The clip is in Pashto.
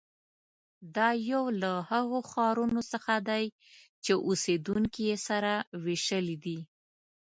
دا یو له هغو ښارونو څخه دی چې اوسېدونکي یې سره وېشلي دي.